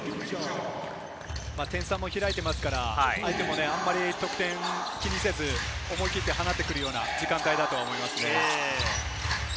点差も開いていますから、相手も得点を気にせず、思い切って放ってくるような時間帯だとは思いますね。